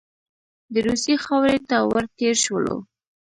د روسیې خاورې ته ور تېر شولو.